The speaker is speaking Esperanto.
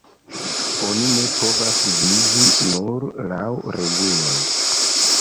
Oni ne povas vivi nur laŭ reguloj.